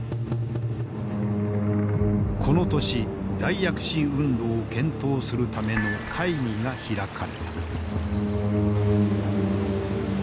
この年大躍進運動を検討するための会議が開かれた。